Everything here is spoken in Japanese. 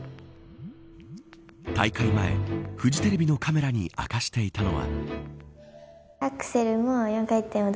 大会前、フジテレビのカメラに明かしていたのは。